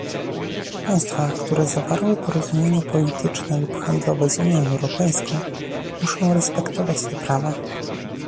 Państwa, które zawarły porozumienia polityczne lub handlowe z Unią Europejską, muszą respektować te prawa